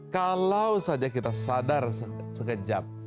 kalau saja kita sadar sekejap